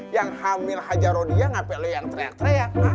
yang hamil hajar roh dia ngapain lu yang teriak teriak